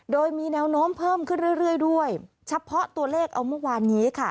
โดยมีแนวโน้มเพิ่มขึ้นเรื่อยด้วยเฉพาะตัวเลขเอาเมื่อวานนี้ค่ะ